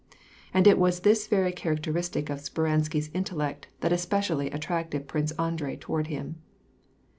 And it was this very character istic of Speransky's intellect that especially attracted Prince Andrei toward him.